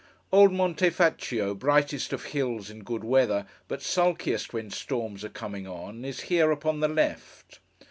Old Monte Faccio, brightest of hills in good weather, but sulkiest when storms are coming on, is here, upon the left.